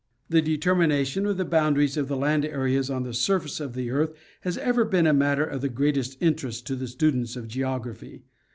The determination of the boundaries of the land areas on the — surface of the earth has ever been a matter of the greatest interest to the students of geography.